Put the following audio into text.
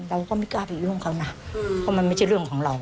เราก็ไม่กล้าไปยุ่งเขานะเพราะมันไม่ใช่เรื่องของเรา